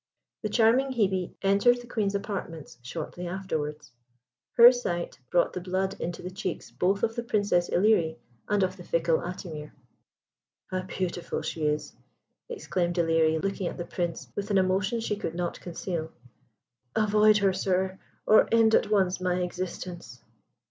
The charming Hebe entered the Queen's apartments shortly afterwards. Her sight brought the blood into the cheeks both of the Princess Ilerie and of the fickle Atimir. "How beautiful she is!" exclaimed Ilerie, looking at the Prince with an emotion she could not conceal. "Avoid her, sir, or end at once my existence."